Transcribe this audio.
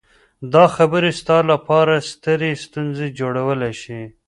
دا خبرې ستا لپاره سترې ستونزې جوړولی شي